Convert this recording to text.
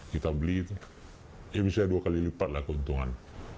kita beli itu ya bisa dua kali lipat lah keuntungan